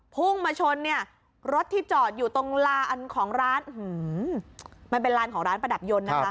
พุ่งมาชนเนี่ยรถที่จอดอยู่ตรงลานของร้านมันเป็นลานของร้านประดับยนต์นะคะ